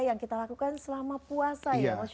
yang kita lakukan selama puasa ya